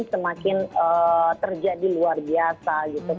semakin terjadi luar biasa